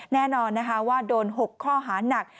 แน่นอนว่าโดน๖ข้อหาหนัก